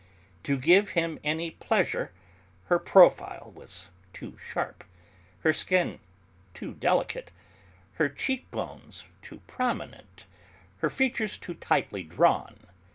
To give him any pleasure her profile was too sharp, her skin too delicate, her cheek bones too prominent, her features too tightly drawn.